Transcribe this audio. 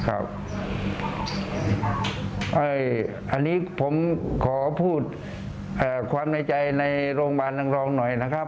อันนี้ผมขอพูดความในใจในโรงพยาบาลนางรองหน่อยนะครับ